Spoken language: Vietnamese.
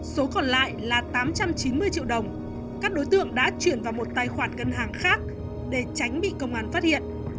số còn lại là tám trăm chín mươi triệu đồng các đối tượng đã chuyển vào một tài khoản ngân hàng khác để tránh bị công an phát hiện